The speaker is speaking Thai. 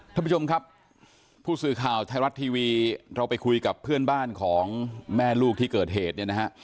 ท่านผู้ชมครับผู้สื่อข่าวไทยรัฐทีวีเราไปคุยกับเพื่อนบ้านของแม่ลูกที่เกิดเหตุเนี่ยนะฮะ